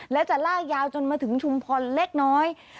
และจะลากยาวจนมาถึงชุมพรเล็กน้อย